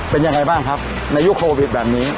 เป็นยังไงบ้างครับ